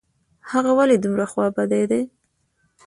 هغه ولي دومره خوابدې ده ؟